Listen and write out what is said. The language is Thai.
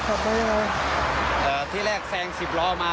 อ่าตั้งแต่แสง๑๐ร้อมา